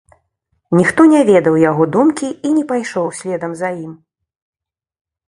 Ніхто не ведаў яго думкі і не пайшоў следам за ім.